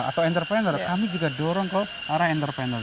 atau entrepreneur kami juga dorong ke arah entrepreneur